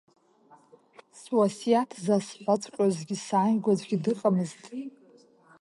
Суасиаҭ засҳәаҵәҟьозгьы сааигәа аӡәгьы дыҟамызт.